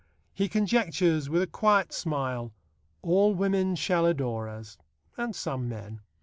He conjectures with a quiet smile: All women shall adore us, and some men.